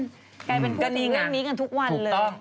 กลายเป็นคดีเรื่องนี้กันทุกวันเลย